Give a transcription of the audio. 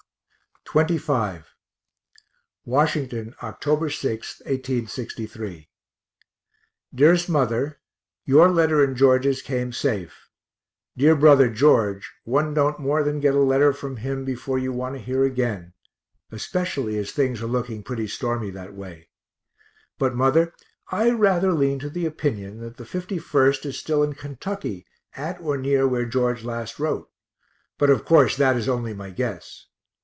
XXV Washington, Oct. 6, 1863. DEAREST MOTHER Your letter and George's came safe dear brother George, one don't more than get a letter from him before you want to hear again, especially as things are looking pretty stormy that way but mother, I rather lean to the opinion that the 51st is still in Kentucky, at or near where George last wrote; but of course that is only my guess.